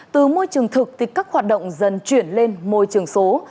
từ môi trường thực thì các hoạt động dần chuyển lên môi trường số